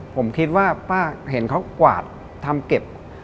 ผมคิดว่าป้าเห็นเขากวาดทำเก็บ